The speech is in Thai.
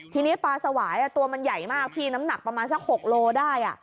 ทีนี้ปลาสวายตัวมันใหญ่มากพี่น้ำหนักประมาณสัก๖โลได้